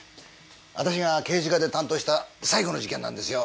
私が刑事課で担当した最後の事件なんですよ。